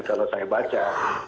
kalau saya baca